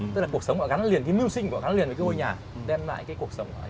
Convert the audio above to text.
tức là cuộc sống họ gắn liền cái music họ gắn liền với cái ngôi nhà đem lại cái cuộc sống họ ở